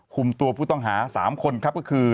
คุมตัวผู้ต้องหา๓คนครับก็คือ